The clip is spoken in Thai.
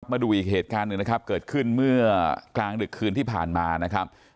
มาดูอีกเหตุการณ์หนึ่งนะครับเกิดขึ้นเมื่อกลางดึกคืนที่ผ่านมานะครับ